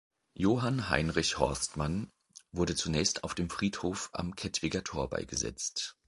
Johann Heinrich Horstmann wurde zunächst auf dem Friedhof am Kettwiger Tor beigesetzt.